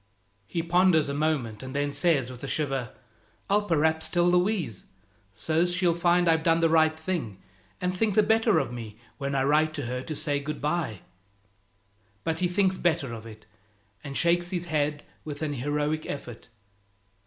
He ponders a moment, and then says with a shiver "I'll p'raps tell Louise, so's she'll find I've done the right thing, and think the better of me, when I write to her to say good by." But he thinks better of it, and shakes his head with an heroic effort.